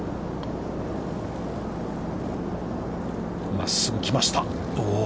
真っすぐ来ました。